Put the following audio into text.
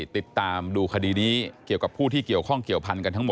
ติดตามดูคดีนี้เกี่ยวกับผู้ที่เกี่ยวข้องเกี่ยวพันธุกันทั้งหมด